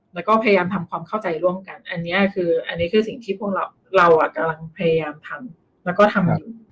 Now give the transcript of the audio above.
แล้วก็พยายามทำความเข้าใจร่วมกันอันนี้คืออันนี้คือสิ่งที่พวกเราเรากำลังพยายามทำแล้วก็ทำอยู่